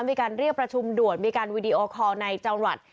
มีการเรียกประชุมด่วนมีการวีดีโอคอลในจังหวัด